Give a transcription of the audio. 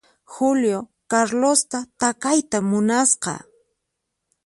Julio Carlosta takayta munasqa.